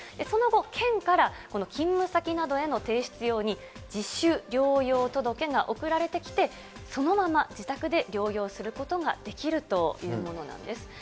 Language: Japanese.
その後、県から勤務先などへの提出用に、自主療養届が送られてきて、そのまま自宅で療養することができるというものなんです。